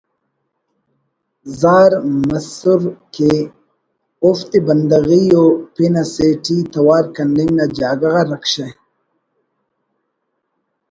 زار مسر کہ اوفتے بندغی ءُ پن اسے ٹی توار کننگ نا جاگہ غا رکشہ